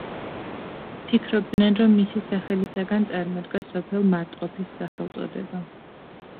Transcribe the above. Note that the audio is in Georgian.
ფიქრობდნენ, რომ მისი სახელისაგან წარმოდგა სოფელ მარტყოფის სახელწოდება.